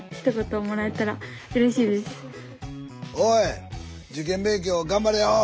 受験勉強頑張れよ！